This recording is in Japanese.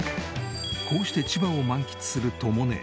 こうして千葉を満喫するとも姉。